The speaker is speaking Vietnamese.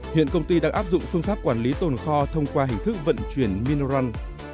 hiện công ty đang áp dụng phương pháp quản lý tồn kho thông qua hình thức vận chuyển minerun